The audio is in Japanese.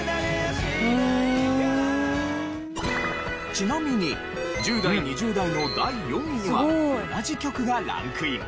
ちなみに１０代２０代の第４位には同じ曲がランクイン。